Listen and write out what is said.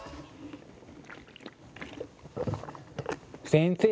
先生